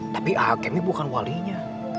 tapi alkemi bukan walinya